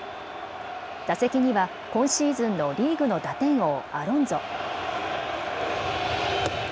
打席には今シーズンのリーグの打点王、アロンゾ。